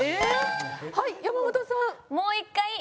はい山本さん。